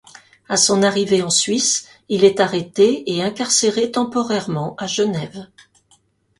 À son arrivée en Suisse, il est arrêté et incarcéré temporairement à Genêve.